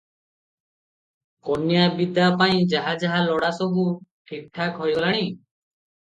କନ୍ୟା ବିଦା ପାଇଁ ଯାହା ଯାହା ଲୋଡ଼ା, ସବୁ ଠିକ୍ ଠାକ୍ ହୋଇଗଲାଣି ।